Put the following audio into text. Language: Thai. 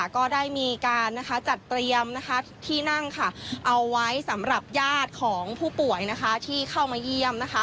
ก็ได้มีการจัดเตรียมที่นั่งเอาไว้สำหรับญาติของผู้ป่วยที่เข้ามาเยี่ยม